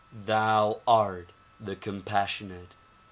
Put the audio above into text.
Thou art the compassionate!